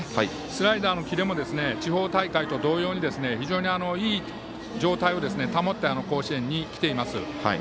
スライダーのキレも地方大会と同様に非常にいい状態を保って甲子園に来ています。